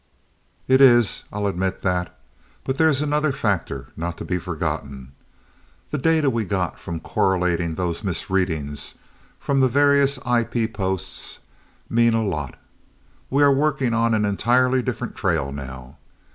"It is, I'll admit that. But there's another factor, not to be forgotten. The data we got from correlating those 'misreadings' from the various IP posts mean a lot. We are working on an entirely different trail now.